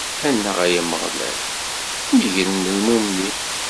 Annaɣ! a Ameɣlal, negren lmumnin!